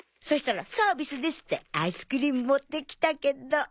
そしたらサービスですってアイスクリーム持ってきたけど。